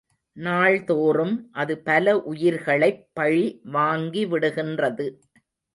நாள்தோறும் அது பல உயிர்களைப் பழி வங்கிவிடுகின்றது.